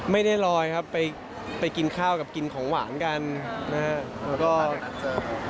ไม่ได้ลอยครับไปไปกินข้าวกับกินของหวานกันนะครับ